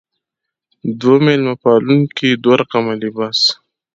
دوه مېلمه پالونکې دوه رقمه لباس.